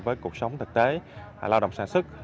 với cuộc sống thực tế lao động sản xuất